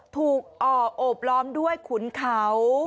ถูกโอบล้อมด้วยขุนเขา